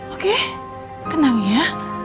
oke tenang ya